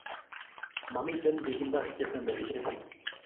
Mamiten pik imbar che semberishe